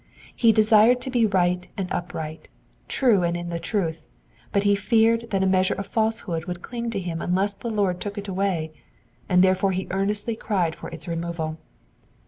He desired to be right and upright, true and in the truth ; but he feared that a measure of falsehood would cling to him unless the Lord took it away, and therefore he earnestly cried for its removal.